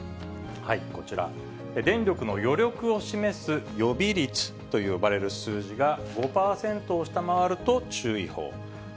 こちら、電力の余力を示す予備率と呼ばれる数字が５％を下回ると注意報。